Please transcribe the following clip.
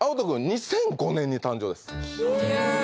２００５年に誕生ですひぇ